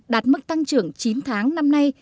đạt mức tăng trưởng chín tháng năm nay